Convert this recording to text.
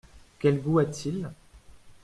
Quel goût a-t-il ?